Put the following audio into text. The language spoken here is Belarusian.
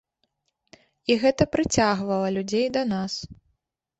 І гэта прыцягвала людзей да нас.